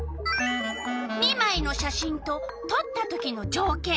２まいの写真ととったときのじょうけん。